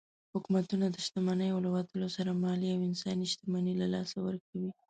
حکومتونه د شتمنو له وتلو سره مالي او انساني شتمني له لاسه ورکوي.